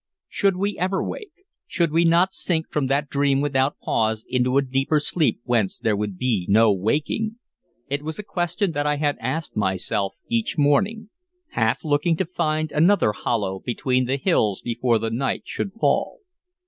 Should we ever wake? Should we not sink from that dream without pause into a deeper sleep whence there would be no waking? It was a question that I asked myself each morning, half looking to find another hollow between the hills before the night should fall.